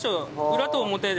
裏と表で。